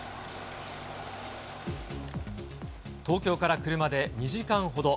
東京から車で２時間ほど。